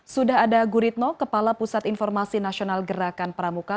sudah ada guritno kepala pusat informasi nasional gerakan pramuka